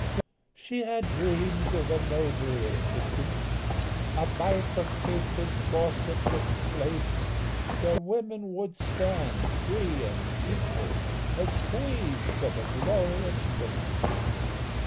She had dreams of a nobler existence A bifurcated, corsetless place, Where women would stand free and equal As queens of a glorious race.